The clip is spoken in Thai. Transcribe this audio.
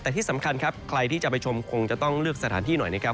แต่ที่สำคัญครับใครที่จะไปชมคงจะต้องเลือกสถานที่หน่อยนะครับ